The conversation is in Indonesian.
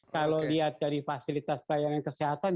kalau lihat dari fasilitas pelayanan kesehatan